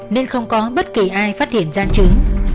nên không có bất kỳ ai phát hiện da trứng